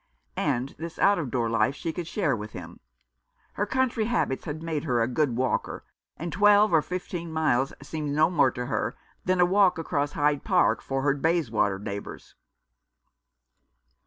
And this out of door life she could share with him. Her country habits had made her a good walker, and twelve or fifteen miles seemed no more for her than a walk across Hyde Park for her Bayswater neighbours.